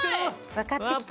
わかってきた？